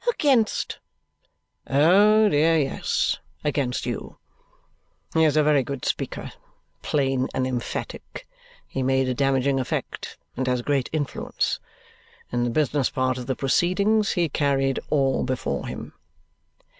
"Against " "Oh, dear yes, against you. He is a very good speaker. Plain and emphatic. He made a damaging effect, and has great influence. In the business part of the proceedings he carried all before him."